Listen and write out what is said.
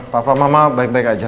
papa mama baik baik aja